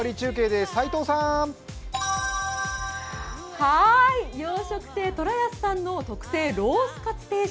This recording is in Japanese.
はーい、洋食亭寅安さんの特製ロースカツ定食。